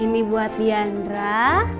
ini buat diandra